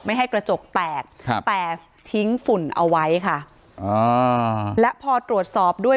ให้กระจกแตกครับแต่ทิ้งฝุ่นเอาไว้ค่ะอ่าและพอตรวจสอบด้วย